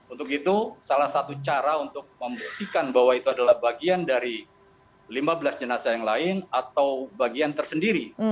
untuk itu salah satu cara untuk membuktikan bahwa itu adalah bagian dari lima belas jenazah yang lain atau bagian tersendiri